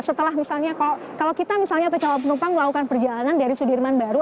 setelah misalnya kalau kita misalnya atau calon penumpang melakukan perjalanan dari sudirman baru